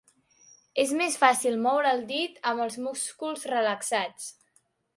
És més fàcil moure el dit amb els músculs relaxats.